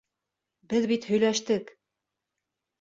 Беҙ бит һөйләштек!